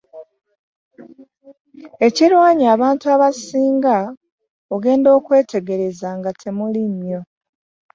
Ekirwanya abantu abasinga ogenda okwetegereza nga temuli nnyo.